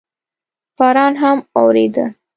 باران هم اورېده.